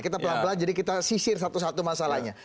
kita pelan pelan jadi kita sisir satu satu masalahnya